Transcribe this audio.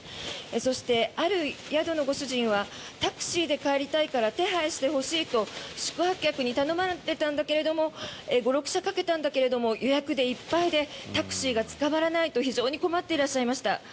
そして、ある宿のご主人はタクシーで帰りたいから手配してほしいと宿泊客に頼まれたんだけど５６社かけたけど予約でいっぱいでタクシーが捕まらないと非常に困っていらっしゃいました。